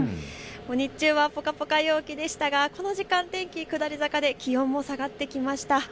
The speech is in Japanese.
日中はぽかぽか陽気でしたがこの時間、天気下り坂で気温も下がってきました。